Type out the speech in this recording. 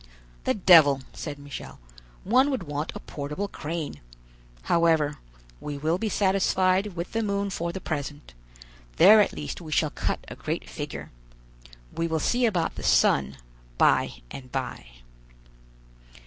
"The devil!" said Michel; "one would want a portable crane. However, we will be satisfied with the moon for the present; there at least we shall cut a great figure. We will see about the sun by and by."